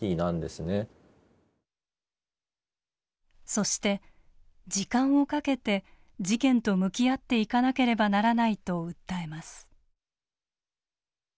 そして時間をかけて事件と向き合っていかなければならないと訴えます。